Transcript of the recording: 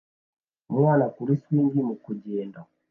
umwana kuri swing mu kugenda